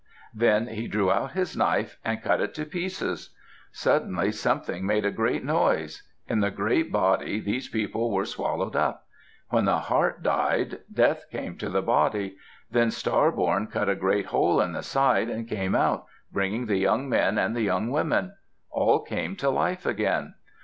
Then he drew out his knife and cut it to pieces. Suddenly something made a great noise. In the great body, these people were swallowed up. When the heart died, death came to the body. Then Star born cut a great hole in the side, and came out, bringing the young men and the young women. All came to life again.